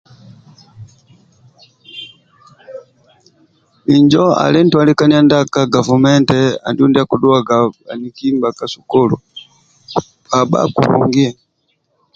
Injo ali ntwalikaniya ndia ka gavumenti andulu ndia akidhuwaga bhaniki ndibha ka sukulu bhabha kulungi